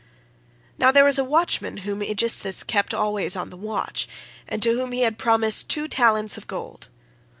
"'Now there was a watchman whom Aegisthus kept always on the watch, and to whom he had promised two talents of gold.